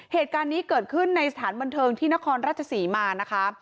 เหตุการณ์นี้เกิดขึ้นในสถานบันเทิงที่นครราชศรีมานะคะ